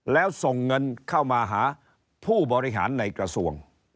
แล้วส่งเงินเข้ามาหาผู้บริหารในกระทรวง